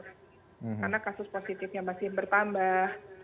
karena kasus positifnya masih bertambah